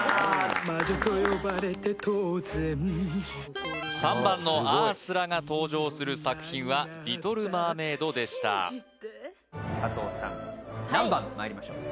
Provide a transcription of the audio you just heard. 魔女と呼ばれて当然３番のアースラが登場する作品は「リトル・マーメイド」でした加藤さん何番まいりましょう？